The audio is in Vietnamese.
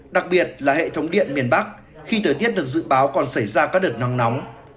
đặc biệt là hệ thống điện miền bắc khi thời tiết được dự báo còn xảy ra các đợt nắng nóng